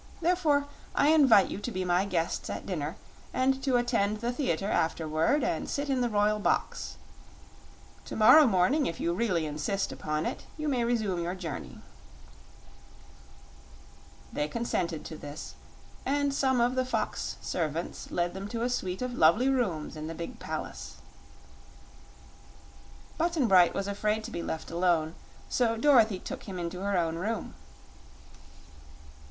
Therefore, I invite you to be my guests at dinner, and to attend the theater afterward and sit in the royal box. To morrow morning, if you really insist upon it, you may resume your journey." They consented to this, and some of the fox servants led them to a suite of lovely rooms in the big palace. Button Bright was afraid to be left alone, so Dorothy took him into her own room.